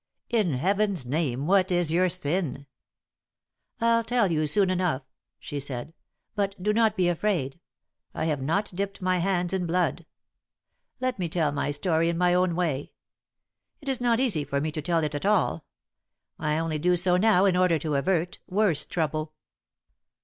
"In Heaven's name, what is your sin?" "I'll tell you soon enough," she said. "But do not be afraid. I have not dipped my hands in blood. Let me tell my story in my own way. It is not easy for me to tell it at all. I only do so now in order to avert, worse trouble."